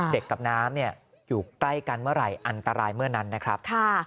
กับน้ำอยู่ใกล้กันเมื่อไหร่อันตรายเมื่อนั้นนะครับ